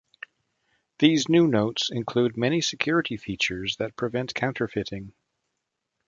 These new notes include many security features that prevent counterfeiting.